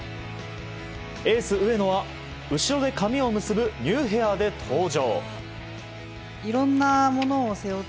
エース、上野は後ろで髪を結ぶニューヘアで登場。